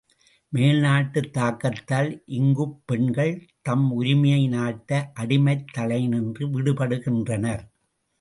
மேல் நாட்டுத் தாக்கத்தால் இங்குப் பெண்கள் தம் உரிமையை நாட்ட அடிமைத் தளையினின்று விடுபடு கின்றனர்.